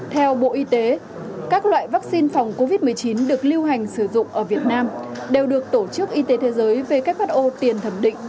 theo bộ y tế các loại vaccine phòng covid một mươi chín được lưu hành sử dụng ở việt nam đều được tổ chức y tế thế giới who tiền thẩm định